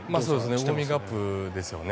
ウォーミングアップですよね。